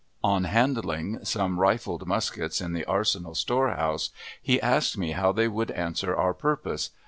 On handling some rifled muskets in the arsenal storehouse he asked me how they would answer our purpose.